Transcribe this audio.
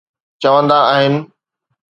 چوندا آهن